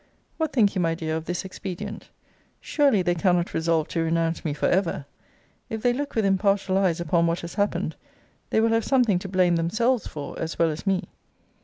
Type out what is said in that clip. What think you, my dear, of this expedient? Surely, they cannot resolve to renounce me for ever. If they look with impartial eyes upon what has happened, they will have something to blame themselves for, as well as me.